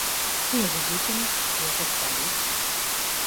Ці яго выкінуць, ці яго спаліць?